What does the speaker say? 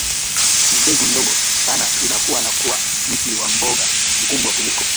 ni mbegu ndogo sana inakua na kuwa mti wa mboga mkubwa kuliko